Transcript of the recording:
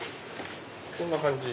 こんな感じ。